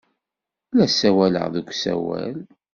La ssawaleɣ deg usawal.